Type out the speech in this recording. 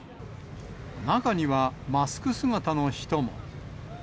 中には、マスク姿の人も。